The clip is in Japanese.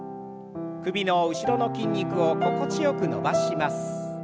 首の後ろの筋肉を心地よく伸ばします。